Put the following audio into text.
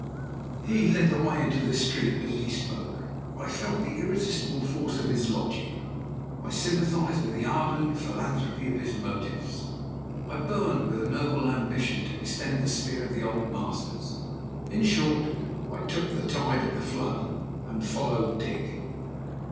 HE led the way into the street as he spoke. I felt the irresistible force of his logic. I sympathized with the ardent philanthropy of his motives. I burned with a noble ambition to extend the sphere of the Old Masters. In short, I took the tide at the flood, and followed Dick.